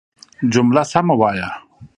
جمله سمه وايه!